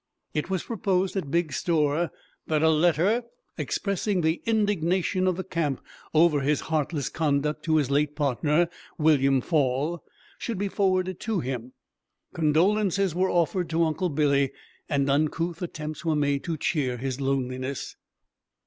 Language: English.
It was proposed at Bigg's store that a letter expressing the indignation of the camp over his heartless conduct to his late partner, William Fall, should be forwarded to him. Condolences were offered to Uncle Billy, and uncouth attempts were made to cheer his loneliness.